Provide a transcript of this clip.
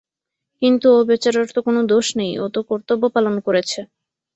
কিন্তু ও বেচারার তো কোনো দোষ নেই, ও তো কর্তব্য পালন করেছে।